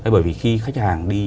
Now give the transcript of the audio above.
bởi vì khi khách hàng đi